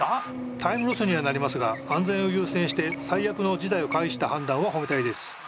タイムロスにはなりますが安全を優先して最悪の事態を回避した判断は褒めたいです。